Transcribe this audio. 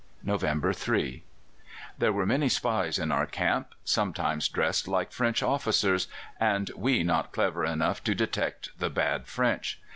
"November 3. There were many spies in our camp sometimes dressed like French officers and we not clever enough to detect the bad French.